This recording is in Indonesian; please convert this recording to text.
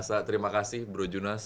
gak terasa terima kasih bro junas